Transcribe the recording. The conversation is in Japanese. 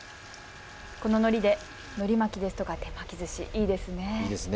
こののりで、のり巻きとか手巻きずし、いいですね。